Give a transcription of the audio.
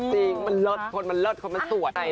จริงมันเลิศคนมันเลิศคนมันสวย